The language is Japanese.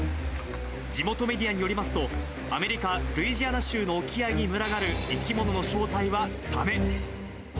地元メディアによりますと、アメリカ・ルイジアナ州の沖合に群がる生き物の正体はサメ。